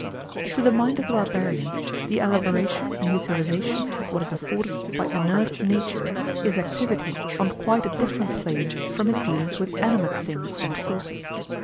To the mind of the barbarian, the elaboration and utilisation of what is afforded by inert nature is activity on quite a different plane from his dealings with "animate" things and forces.